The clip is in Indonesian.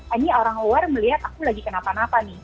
ini orang luar melihat aku lagi kenapa napa nih